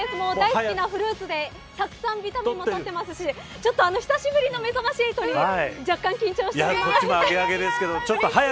大好きなフルーツでたくさんビタミンも取ってますし久しぶりのめざまし８に若干緊張しています。